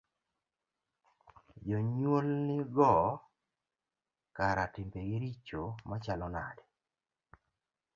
jonyuol nigo kara timbegi richo machalo nade?